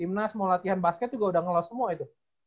timnas mau latihan basket juga udah ngelos semua itu